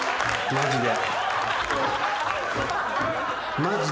マジで。